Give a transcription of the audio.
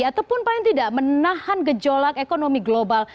ataupun paling tidak menahan gejolak ekonomi global